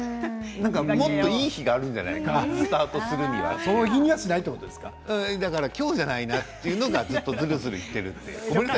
もっといい日があるんじゃないかなスタートするには今日じゃないなというのはずっとずるずるいっている。